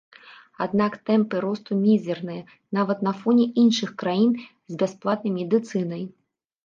Аднак тэмпы росту мізэрныя нават на фоне іншых краін з бясплатнай медыцынай.